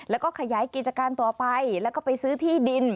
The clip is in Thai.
แล้วก็ขยายกิจการต่อไปแล้วก็ไปซื้อที่ดิน